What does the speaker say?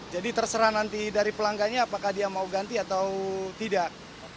jadi terserah nanti dari pelangganya apakah dia mau ganti atau tidak